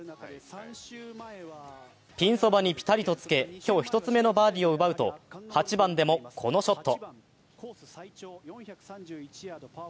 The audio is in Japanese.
ピンそばにピタリとつけ、今日１つ目のバーディーを奪うと８番でもこのショット。